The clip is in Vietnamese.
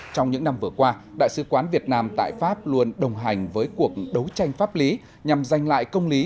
trong những năm vừa qua đại sứ quán việt nam tại pháp luôn đồng hành với cuộc đấu tranh pháp lý nhằm giành lại công lý